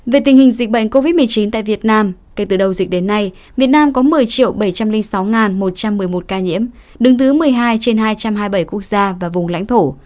về tình hình dịch bệnh covid một mươi chín tại việt nam kể từ đầu dịch đến nay việt nam có một mươi bảy trăm linh sáu một trăm một mươi một ca nhiễm đứng thứ một mươi hai trên hai trăm hai mươi bảy quốc gia và vùng lãnh thổ